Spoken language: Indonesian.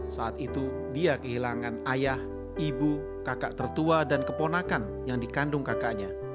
saat itu dia kehilangan ayah ibu kakak tertua dan keponakan yang dikandung kakaknya